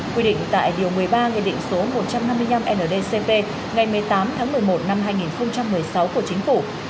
quy định tại điều một mươi ba nguyên định số một trăm năm mươi năm ndcp ngày một mươi tám tháng một mươi một năm hai nghìn một mươi sáu của chính phủ